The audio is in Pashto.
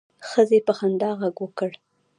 ښځې په خندا غږ وکړ.